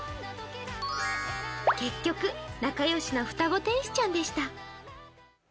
結局、仲良しな双子天使ちゃんでした。